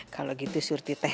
kalau gitu surty teh